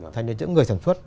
thành ra những người sản xuất